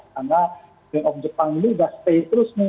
karena bank of jepang ini sudah stay terus nih